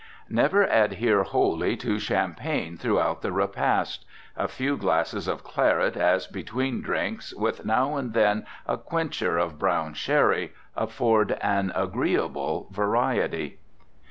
Never adhere wholly to champagne throughout the repast. A few glasses of claret as between drinks, with now and then a quencher of brown sherry, afford an agreeable variety.